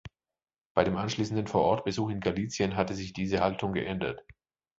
Bei dem anschließenden Vor-Ort-Besuch in Galizien hatte sich diese Haltung geändert.